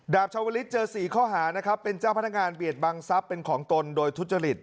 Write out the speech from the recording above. ชาวลิศเจอ๔ข้อหานะครับเป็นเจ้าพนักงานเบียดบังทรัพย์เป็นของตนโดยทุจริต